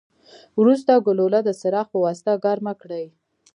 وروسته ګلوله د څراغ پواسطه ګرمه کړئ.